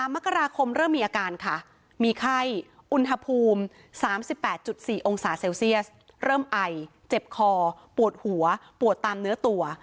มกราคมเริ่มมีอาการค่ะมีไข้อุณหภูมิ๓๘๔องศาเซลเซียสเริ่มไอเจ็บคอปวดหัวปวดตามเนื้อตัว